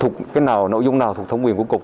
cái nào nội dung nào thuộc thống quyền của cục